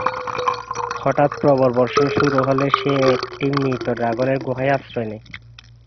হঠাৎ প্রবল বর্ষণ শুরু হলে সে একটি মৃত ড্রাগনের গুহায় আশ্রয় নেয়।